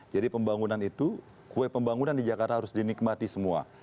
jadi pembangunan itu kue pembangunan di jakarta harus dinikmati semua